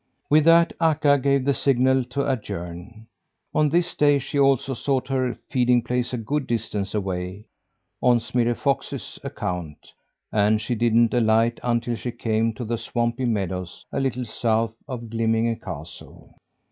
With that Akka gave the signal to adjourn. On this day she also sought her feeding place a good distance away, on Smirre Fox's account, and she didn't alight until she came to the swampy meadows a little south of Glimminge castle.